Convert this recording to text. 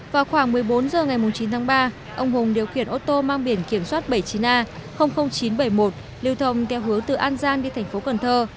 vào khoảng một mươi bốn h ngày chín tháng ba ông hùng điều khiển ô tô mang biển kiểm soát bảy mươi chín a chín trăm bảy mươi một lưu thông theo hướng từ an giang đi thành phố cần thơ